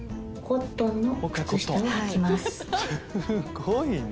すごいな。